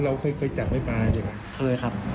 เราเคยจับไว้ปลาใช่ไหมเคยครับ